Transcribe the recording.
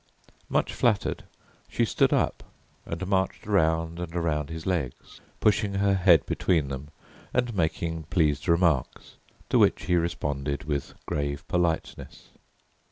Much flattered, she stood up and marched around and around his legs, pushing her head between them and making pleased remarks, to which he responded with grave politeness.